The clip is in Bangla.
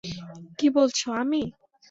কী বলছো, আমি?